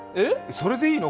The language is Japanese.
それでいいの？